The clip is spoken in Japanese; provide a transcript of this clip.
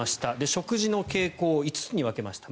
食事の傾向５つに分けました。